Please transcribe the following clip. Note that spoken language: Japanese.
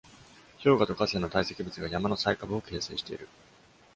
氷河と河川の堆積物が山の最下部を形成している。